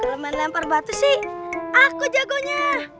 kalau main lempar batu sih aku jagonya